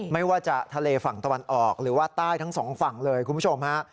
ไม่ว่าจะทะเลฝั่งตะวันออกหรือว่าใต้ทั้งสองฝั่งเลยคุณผู้ชมฮะ